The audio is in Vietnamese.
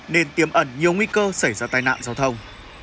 nên tiêm ẩn nhiều nguy cơ xảy ra tai nạn giao thông